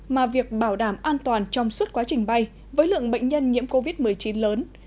mà việc bảo đảm an toàn trong suốt quá trình bay với lượng bệnh nhân nhiễm covid một mươi chín lớn